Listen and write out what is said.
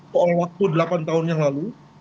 soal waktu delapan tahun yang lalu